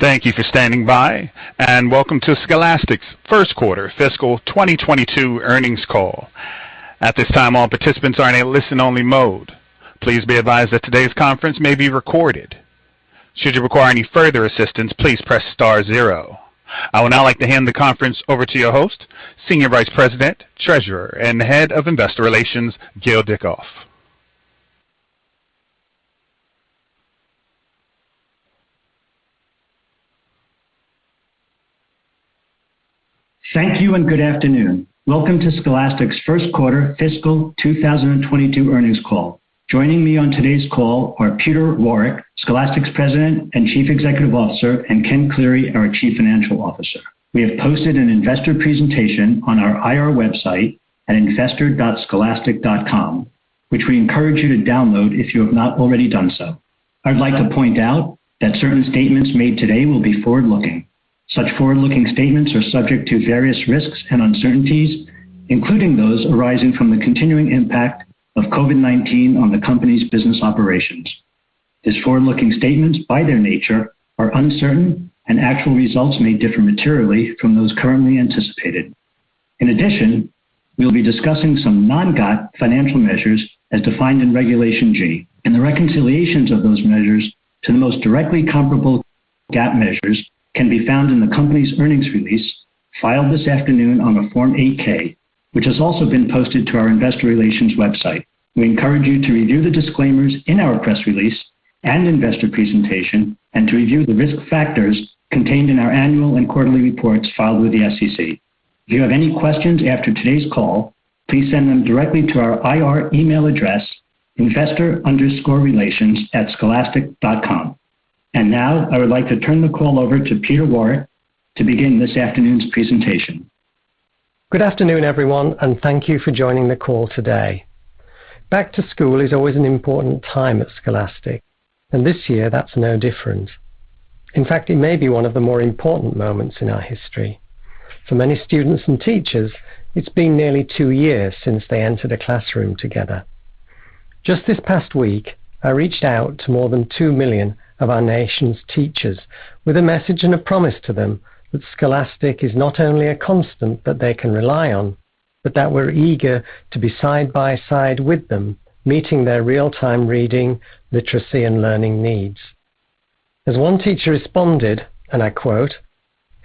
Thank you for standing by, and welcome to Scholastic's first quarter fiscal 2022 earnings call. At this time, all participants are in a listen-only mode. Please be advised that today's conference may be recorded. Should you require any further assistance please press star zero. I would now like to hand the conference over to your host, Senior Vice President, Treasurer, and the Head of Investor Relations, Gil Dickoff. Thank you and good afternoon. Welcome to Scholastic's first quarter fiscal 2022 earnings call. Joining me on today's call are Peter Warwick, Scholastic's President and Chief Executive Officer, and Ken Cleary, our Chief Financial Officer. We have posted an investor presentation on our IR website at investor.scholastic.com, which we encourage you to download if you have not already done so. I'd like to point out that certain statements made today will be forward-looking. Such forward-looking statements are subject to various risks and uncertainties, including those arising from the continuing impact of COVID-19 on the company's business operations, as forward-looking statements, by their nature, are uncertain, and actual results may differ materially from those currently anticipated. In addition, we'll be discussing some non-GAAP financial measures as defined in Regulation G, and the reconciliations of those measures to the most directly comparable GAAP measures can be found in the company's earnings release filed this afternoon on the Form 8-K, which has also been posted to our investor relations website. We encourage you to review the disclaimers in our press release and investor presentation, and to review the risk factors contained in our annual and quarterly reports filed with the SEC. If you have any questions after today's call, please send them directly to our IR email address, investor_relations@scholastic.com. Now, I would like to turn the call over to Peter Warwick to begin this afternoon's presentation. Good afternoon, everyone, and thank you for joining the call today. Back to school is always an important time at Scholastic, and this year, that's no different. In fact, it may be one of the more important moments in our history. For many students and teachers, it's been nearly two years since they entered a classroom together. Just this past week, I reached out to more than 2 million of our nation's teachers with a message and a promise to them that Scholastic is not only a constant that they can rely on, but that we're eager to be side by side with them, meeting their real-time reading, literacy, and learning needs. As one teacher responded, and I quote,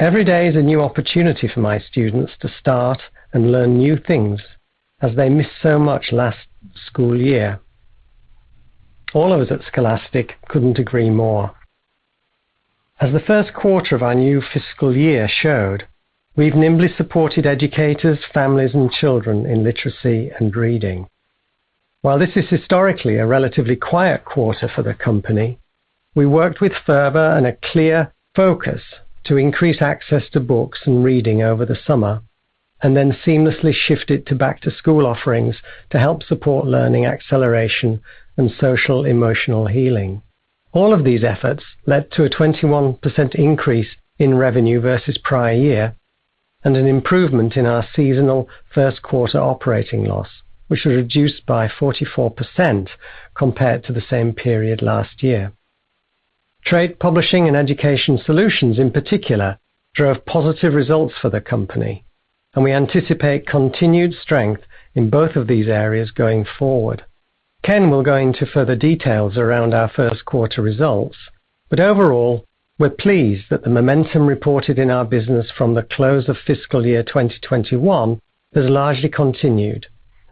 "Every day is a new opportunity for my students to start and learn new things, as they missed so much last school year." All of us at Scholastic couldn't agree more. As the first quarter of our new fiscal year showed, we've nimbly supported educators, families, and children in literacy and reading. While this is historically a relatively quiet quarter for the company, we worked with fervor and a clear focus to increase access to books and reading over the summer, and then seamlessly shifted to back-to-school offerings to help support learning acceleration and social-emotional healing. All of these efforts led to a 21% increase in revenue versus prior year, and an improvement in our seasonal first quarter operating loss, which was reduced by 44% compared to the same period last year. Trade Publishing and Education Solutions in particular drove positive results for the company, and we anticipate continued strength in both of these areas going forward. Ken will go into further details around our first quarter results, overall, we're pleased that the momentum reported in our business from the close of fiscal year 2021 has largely continued,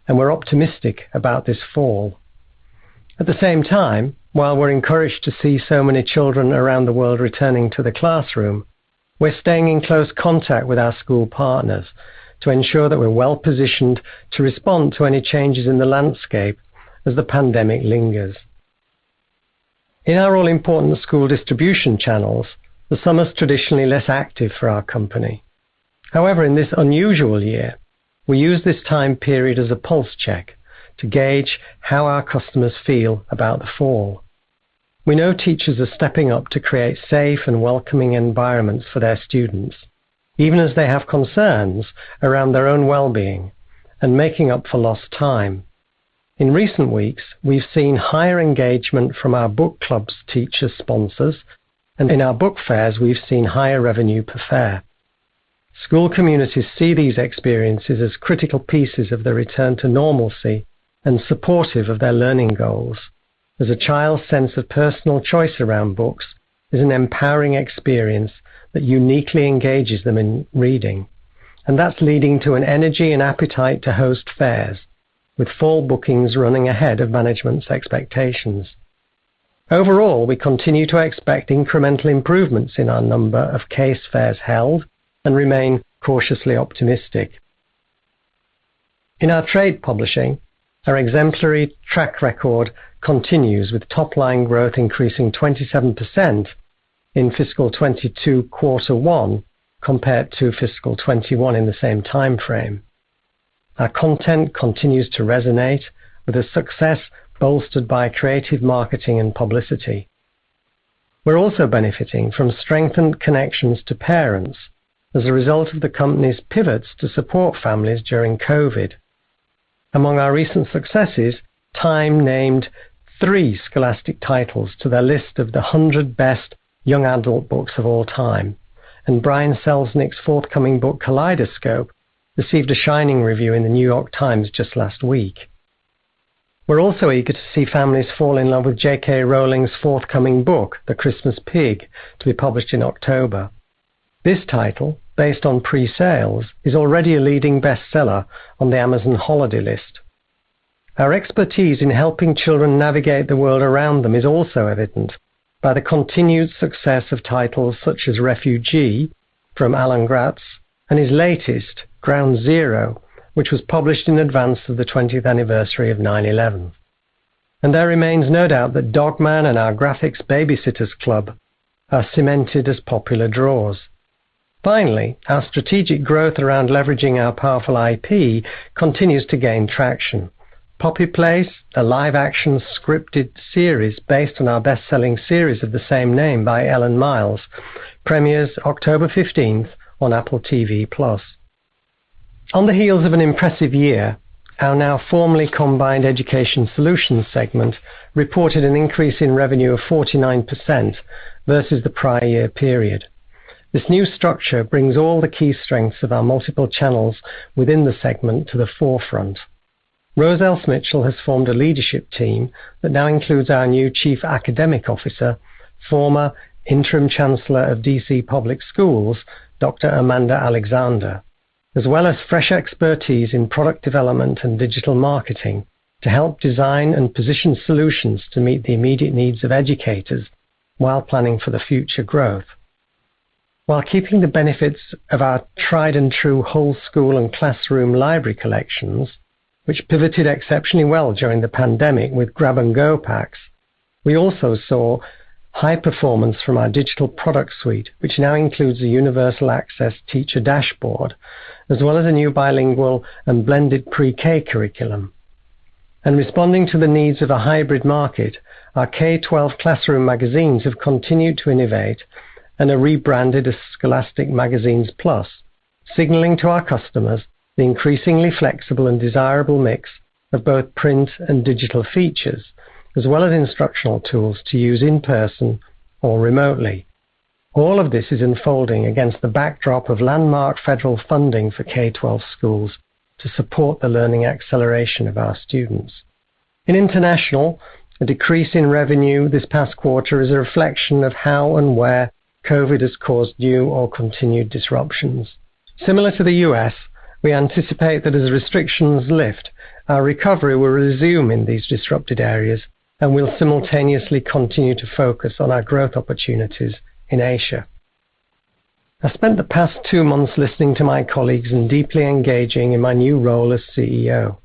and we're optimistic about this fall. At the same time, while we're encouraged to see so many children around the world returning to the classroom, we're staying in close contact with our school partners to ensure that we're well-positioned to respond to any changes in the landscape as the pandemic lingers. In our all-important school distribution channels, the summer's traditionally less active for our company. In this unusual year, we use this time period as a pulse check to gauge how our customers feel about the fall. We know teachers are stepping up to create safe and welcoming environments for their students, even as they have concerns around their own well-being and making up for lost time. In recent weeks, we've seen higher engagement from our Book Clubs teacher sponsors, and in our Book Fairs, we've seen higher revenue per fair. School communities see these experiences as critical pieces of the return to normalcy and supportive of their learning goals, as a child's sense of personal choice around books is an empowering experience that uniquely engages them in reading. That's leading to an energy and appetite to host Fairs, with fall bookings running ahead of management's expectations. Overall, we continue to expect incremental improvements in our number of case Fairs held and remain cautiously optimistic. In our Trade Publishing, our exemplary track record continues with top-line growth increasing 27% in fiscal 2022, quarter one, compared to fiscal 2021 in the same timeframe. Our content continues to resonate with a success bolstered by creative marketing and publicity. We're also benefiting from strengthened connections to parents as a result of the company's pivots to support families during COVID. Among our recent successes, Time named three Scholastic titles to their list of the 100 Best Young Adult Books of All Time, and Brian Selznick's forthcoming book, "Kaleidoscope," received a shining review in The New York Times just last week. We're also eager to see families fall in love with J.K. Rowling's forthcoming book, "The Christmas Pig," to be published in October. This title, based on pre-sales, is already a leading bestseller on the Amazon holiday list. Our expertise in helping children navigate the world around them is also evident by the continued success of titles such as "Refugee" from Alan Gratz and his latest, "Ground Zero," which was published in advance of the 20th anniversary of 9/11. There remains no doubt that "Dog Man" and our Graphix "The Baby-Sitters Club" are cemented as popular draws. Finally, our strategic growth around leveraging our powerful IP continues to gain traction. "Puppy Place," the live-action scripted series based on our best-selling series of the same name by Ellen Miles, premieres October 15th on Apple TV+. On the heels of an impressive year, our now formerly combined Education Solutions segment reported an increase in revenue of 49% versus the prior year period. This new structure brings all the key strengths of our multiple channels within the segment to the forefront. Rose Else-Mitchell has formed a leadership team that now includes our new chief academic officer, former interim chancellor of DC Public Schools, Dr. Amanda Alexander, as well as fresh expertise in product development and digital marketing to help design and position solutions to meet the immediate needs of educators while planning for the future growth. While keeping the benefits of our tried and true whole school and classroom library collections, which pivoted exceptionally well during the pandemic with Grab & Go packs, we also saw high performance from our digital product suite, which now includes a universal access teacher dashboard, as well as a new bilingual and blended pre-K curriculum. Responding to the needs of a hybrid market, our K12 classroom magazines have continued to innovate and are rebranded as Scholastic Magazines+, signaling to our customers the increasingly flexible and desirable mix of both print and digital features, as well as instructional tools to use in person or remotely. All of this is unfolding against the backdrop of landmark federal funding for K12 schools to support the learning acceleration of our students. In International, a decrease in revenue this past quarter is a reflection of how and where COVID has caused new or continued disruptions. Similar to the U.S., we anticipate that as restrictions lift, our recovery will resume in these disrupted areas, and we'll simultaneously continue to focus on our growth opportunities in Asia. I spent the past two months listening to my colleagues and deeply engaging in my new role as CEO.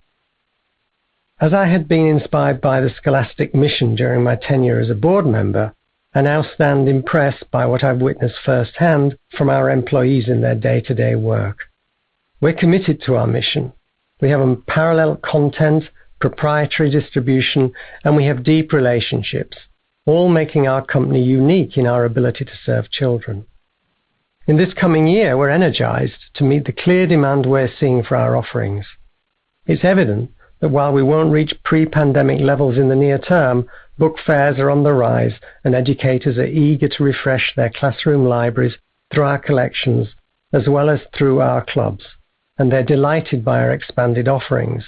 As I had been inspired by the Scholastic mission during my tenure as a board member, I now stand impressed by what I've witnessed firsthand from our employees in their day-to-day work. We're committed to our mission. We have unparalleled content, proprietary distribution, and we have deep relationships, all making our company unique in our ability to serve children. In this coming year, we're energized to meet the clear demand we're seeing for our offerings. It's evident that while we won't reach pre-pandemic levels in the near term, Book Fairs are on the rise, and educators are eager to refresh their classroom libraries through our collections as well as through our Book Clubs. They're delighted by our expanded offerings.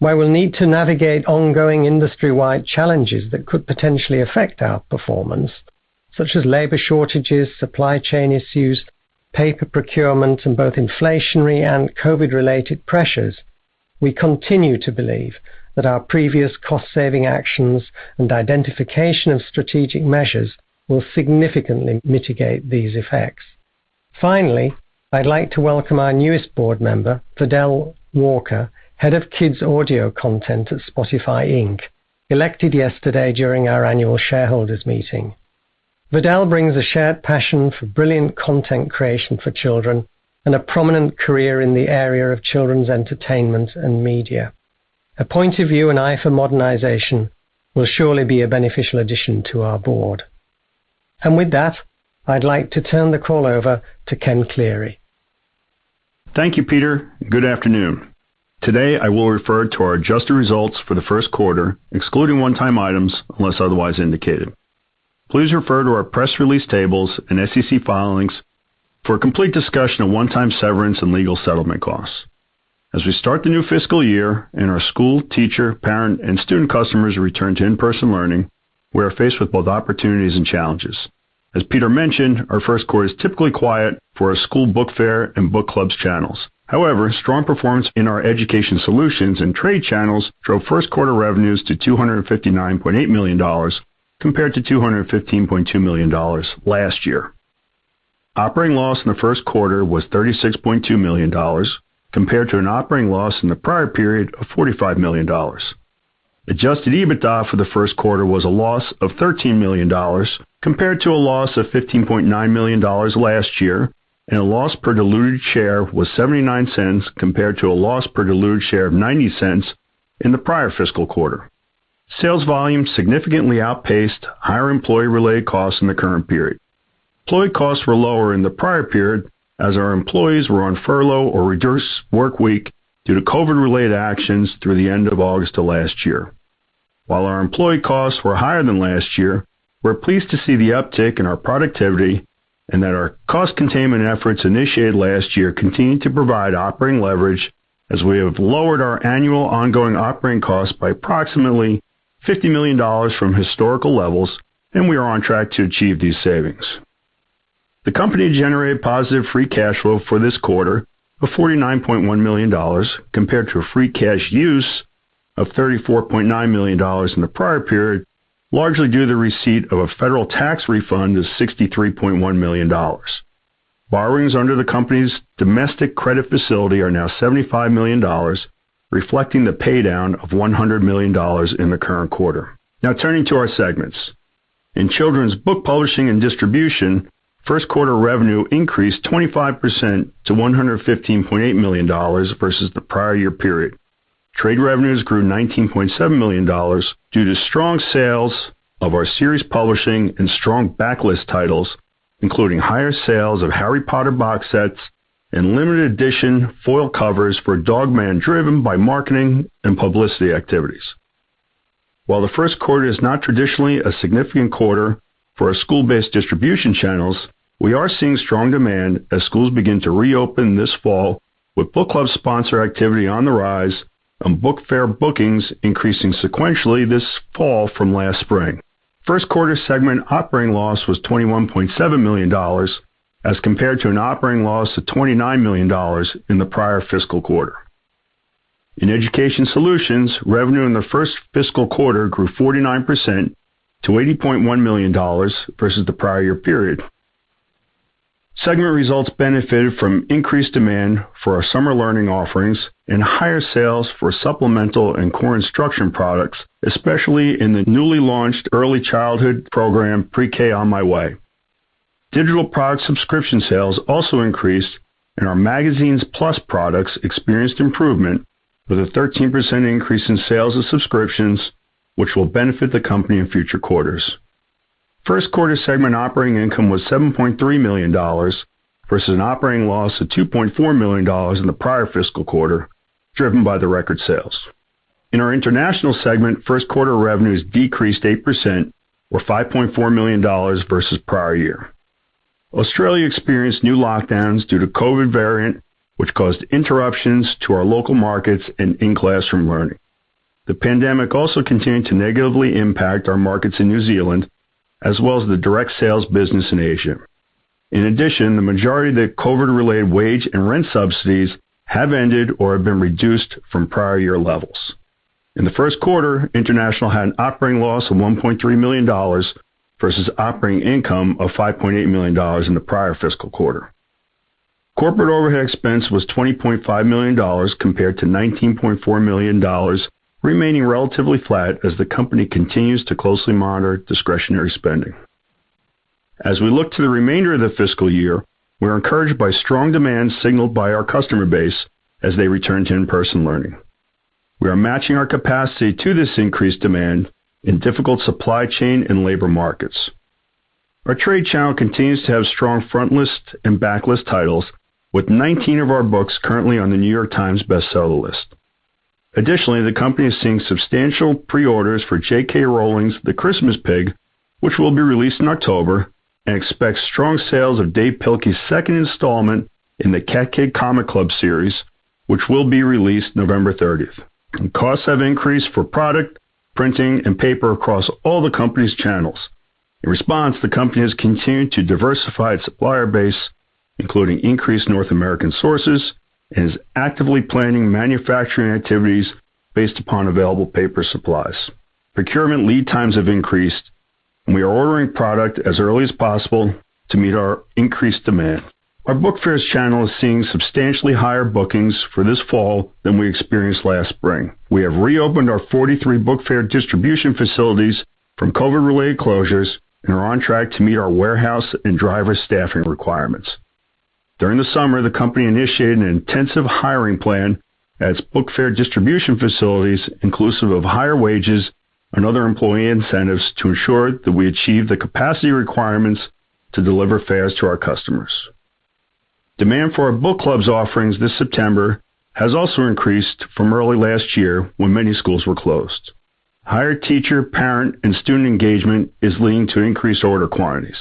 While we'll need to navigate ongoing industry-wide challenges that could potentially affect our performance, such as labor shortages, supply chain issues, paper procurement, and both inflationary and COVID-related pressures, we continue to believe that our previous cost-saving actions and identification of strategic measures will significantly mitigate these effects. Finally, I'd like to welcome our newest board member, Verdell Walker, head of Kids Audio Content at Spotify Inc, elected yesterday during our annual shareholders meeting. Verdell brings a shared passion for brilliant content creation for children and a prominent career in the area of children's entertainment and media. Her point of view and eye for modernization will surely be a beneficial addition to our board. With that, I'd like to turn the call over to Ken Cleary. Thank you, Peter. Good afternoon. Today, I will refer to our adjusted results for the first quarter, excluding one-time items, unless otherwise indicated. Please refer to our press release tables and SEC filings for a complete discussion of one-time severance and legal settlement costs. As we start the new fiscal year and our school, teacher, parent, and student customers return to in-person learning, we are faced with both opportunities and challenges. As Peter mentioned, our first quarter is typically quiet for our school Book Fairs and Book Clubs channels. However, strong performance in our Education Solutions and Trade channels drove first quarter revenues to $259.8 million compared to $215.2 million last year. Operating loss in the first quarter was $36.2 million compared to an operating loss in the prior period of $45 million. Adjusted EBITDA for the first quarter was a loss of $13 million compared to a loss of $15.9 million last year, and a loss per diluted share was $0.79 compared to a loss per diluted share of $0.90 in the prior fiscal quarter. Sales volume significantly outpaced higher employee-related costs in the current period. Employee costs were lower in the prior period as our employees were on furlough or reduced workweek due to COVID-related actions through the end of August of last year. While our employee costs were higher than last year, we're pleased to see the uptick in our productivity and that our cost containment efforts initiated last year continue to provide operating leverage as we have lowered our annual ongoing operating costs by approximately $50 million from historical levels, and we are on track to achieve these savings. The company generated positive free cash flow for this quarter of $49.1 million, compared to a free cash use of $34.9 million in the prior period, largely due to the receipt of a federal tax refund of $63.1 million. Borrowings under the company's domestic credit facility are now $75 million, reflecting the paydown of $100 million in the current quarter. Turning to our segments. In Children's Book Publishing and Distribution, first quarter revenue increased 25% to $115.8 million versus the prior year period. Trade revenues grew to $19.7 million due to strong sales of our series publishing and strong backlist titles, including higher sales of "Harry Potter" box sets and limited edition foil covers for "Dog Man," driven by marketing and publicity activities. While the first quarter is not traditionally a significant quarter for our Book Fairs-based distribution channels, we are seeing strong demand as schools begin to reopen this fall, with Book Clubs sponsor activity on the rise and Book Fairs bookings increasing sequentially this fall from last spring. First quarter segment operating loss was $21.7 million as compared to an operating loss of $29 million in the prior fiscal quarter. In Education Solutions, revenue in the first fiscal quarter grew 49% to $80.1 million versus the prior year period. Segment results benefited from increased demand for our summer learning offerings and higher sales for supplemental and core instruction products, especially in the newly launched early childhood program, Pre-K On My Way. Digital product subscription sales also increased, and our Magazines+ products experienced improvement with a 13% increase in sales of subscriptions, which will benefit the company in future quarters. First quarter segment operating income was $7.3 million versus an operating loss of $2.4 million in the prior fiscal quarter, driven by the record sales. In our International segment, first quarter revenues decreased 8%, or $5.4 million versus the prior year. Australia experienced new lockdowns due to COVID-19 variant, which caused interruptions to our local markets and in-classroom learning. The pandemic also continued to negatively impact our markets in New Zealand, as well as the direct sales business in Asia. In addition, the majority of the COVID-related wage and rent subsidies have ended or have been reduced from prior year levels. In the first quarter, International had an operating loss of $1.3 million versus operating income of $5.8 million in the prior fiscal quarter. Corporate overhead expense was $20.5 million compared to $19.4 million, remaining relatively flat as the company continues to closely monitor discretionary spending. As we look to the remainder of the fiscal year, we are encouraged by strong demand signaled by our customer base as they return to in-person learning. We are matching our capacity to this increased demand in difficult supply chain and labor markets. Our trade channel continues to have strong frontlist and backlist titles, with 19 of our books currently on The New York Times Best Seller list. Additionally, the company is seeing substantial pre-orders for J.K. Rowling's The Christmas Pig, which will be released in October, and expects strong sales of Dav Pilkey's second installment in the Cat Kid Comic Club series, which will be released November 30th. Costs have increased for product, printing, and paper across all the company's channels. In response, the company has continued to diversify its supplier base, including increased North American sources, and is actively planning manufacturing activities based upon available paper supplies. Procurement lead times have increased, and we are ordering product as early as possible to meet our increased demand. Our Book Fairs channel is seeing substantially higher bookings for this fall than we experienced last spring. We have reopened our 43 Book Fair distribution facilities from COVID-related closures and are on track to meet our warehouse and driver staffing requirements. During the summer, the company initiated an intensive hiring plan at its Book Fair distribution facilities, inclusive of higher wages and other employee incentives, to ensure that we achieve the capacity requirements to deliver fairs to our customers. Demand for our Book Clubs offerings this September has also increased from early last year when many schools were closed. Higher teacher, parent, and student engagement is leading to increased order quantities.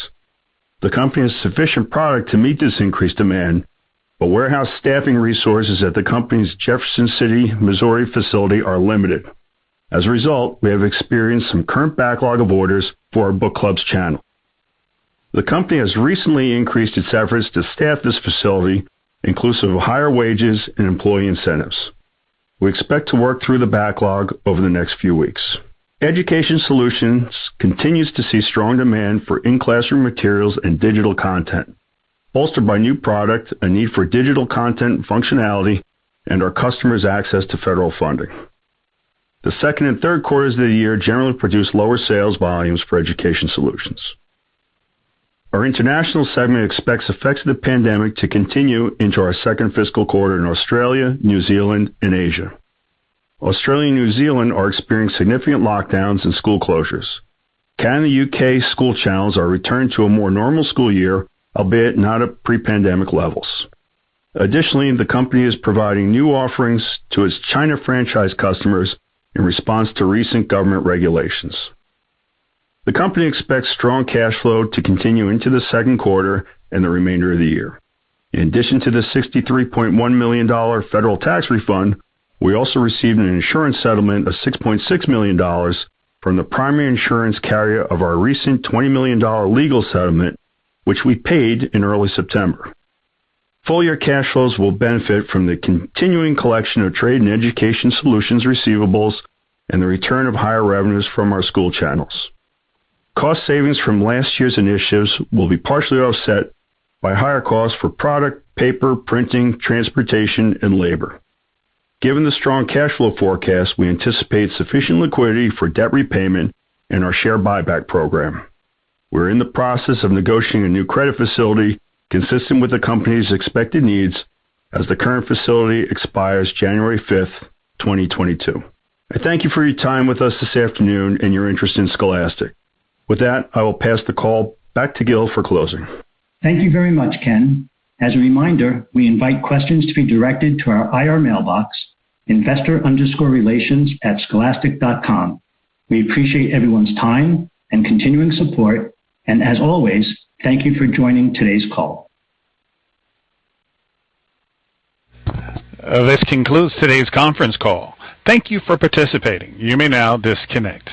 The company has sufficient product to meet this increased demand, but warehouse staffing resources at the company's Jefferson City, Missouri facility are limited. As a result, we have experienced some current backlog of orders for our Book Clubs channel. The company has recently increased its efforts to staff this facility, inclusive of higher wages and employee incentives. We expect to work through the backlog over the next few weeks. Education Solutions continues to see strong demand for in-classroom materials and digital content, bolstered by new product, a need for digital content functionality, and our customers' access to federal funding. The second and third quarters of the year generally produce lower sales volumes for Education Solutions. Our International segment expects effects of the pandemic to continue into our second fiscal quarter in Australia, New Zealand, and Asia. Australia and New Zealand are experiencing significant lockdowns and school closures. Canada, U.K. school channels are returning to a more normal school year, albeit not at pre-pandemic levels. Additionally, the company is providing new offerings to its China franchise customers in response to recent government regulations. The company expects strong cash flow to continue into the second quarter and the remainder of the year. In addition to the $63.1 million federal tax refund, we also received an insurance settlement of $6.6 million from the primary insurance carrier of our recent $20 million legal settlement, which we paid in early September. Full-year cash flows will benefit from the continuing collection of Trade and Education Solutions receivables and the return of higher revenues from our school channels. Cost savings from last year's initiatives will be partially offset by higher costs for product, paper, printing, transportation, and labor. Given the strong cash flow forecast, we anticipate sufficient liquidity for debt repayment and our share buyback program. We're in the process of negotiating a new credit facility consistent with the company's expected needs as the current facility expires January 5th, 2022. I thank you for your time with us this afternoon and your interest in Scholastic. With that, I will pass the call back to Gil for closing. Thank you very much, Ken. As a reminder, we invite questions to be directed to our IR mailbox, investor_relations@scholastic.com. We appreciate everyone's time and continuing support, and as always, thank you for joining today's call. This concludes today's conference call. Thank you for participating. You may now disconnect.